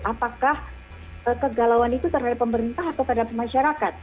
apakah kegalauan itu terhadap pemerintah atau terhadap masyarakat